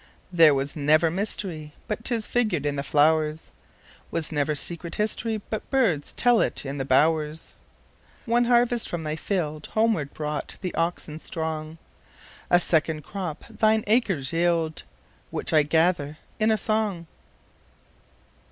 There was never mysteryBut 'tis figured in the flowers; SWas never secret historyBut birds tell it in the bowers. One harvest from thy fieldHomeward brought the oxen strong;A second crop thine acres yield, Which I gather in a song.